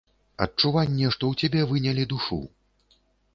Адчуванне, што ў цябе вынялі душу.